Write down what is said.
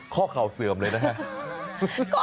ข้อเข่าเสื่อมเลยนะครับ